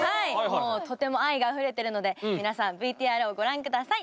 もうとても愛があふれてるので皆さんＶＴＲをご覧下さい。